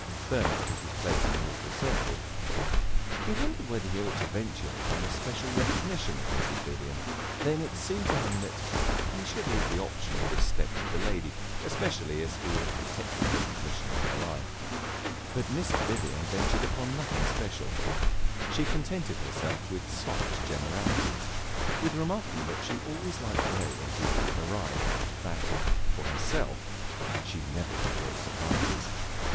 Bernard took his place in the little circle; he wondered whether he ought to venture upon a special recognition of Mrs. Vivian. Then it seemed to him that he should leave the option of this step with the lady, especially as he had detected recognition in her eye. But Mrs. Vivian ventured upon nothing special; she contented herself with soft generalities with remarking that she always liked to know when people would arrive; that, for herself, she never enjoyed surprises.